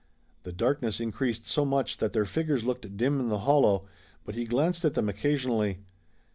The darkness increased so much that their figures looked dim in the hollow, but he glanced at them occasionally.